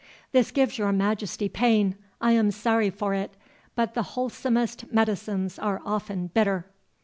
This gives your Majesty pain—I am sorry for it—but the wholesomest medicines are often bitter."